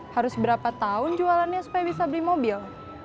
harus berapa tahun jualannya supaya bisa beli mobil